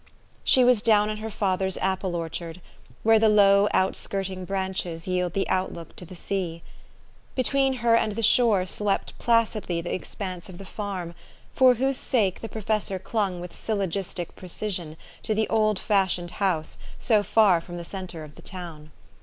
She was down in her father's apple orchard, where the low, outskirting branches yield the outlook to the sea. Between her and the shore swept placidly the expanse of the farm, for whose sake the professor clung with syllogistic precision to the old fashioned house so far from the centre of the town.